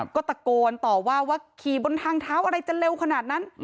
ก็ตะโกนต่อว่าว่าขี่บนทางเท้าอะไรจะเร็วขนาดนั้น